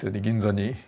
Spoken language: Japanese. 銀座に。